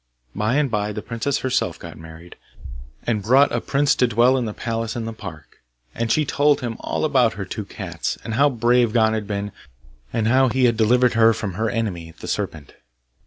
By and bye the princess herself got married, and brought a prince to dwell in the palace in the park. And she told him all about her two cats, and how brave Gon had been, and how he had delivered her from her enemy the serpent.